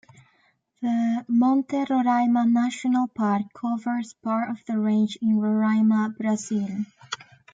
The Monte Roraima National Park covers part of the range in Roraima, Brazil.